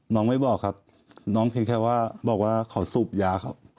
ไม่บอกครับน้องเพียงแค่ว่าบอกว่าเขาสูบยาครับ